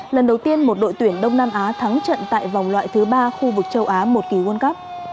lần đầu tiên một đội tuyển đông nam á thắng trận tại vòng loại thứ ba khu vực châu á một hai